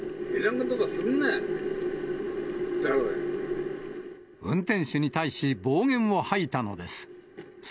いらんことする運転手に対し、暴言を吐いたのです。